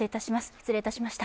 失礼いたしました。